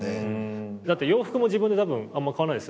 だって洋服も自分であんま買わないですよね？